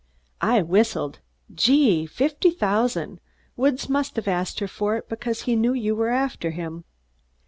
I whistled. "Gee! Fifty thousand. Woods must have asked her for it because he knew you were after him."